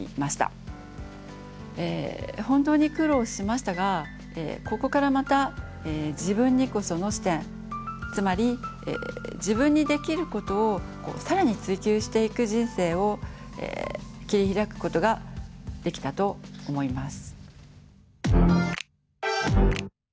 本当に苦労しましたがここからまた自分にこその視点つまり自分にできることを更に追求していく人生を切り開くことができたと思います。